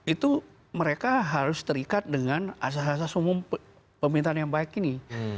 itu mereka harus terikat dengan asas asas umum pemerintahan yang baik ini